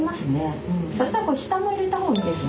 そしたら下も入れた方がいいですね。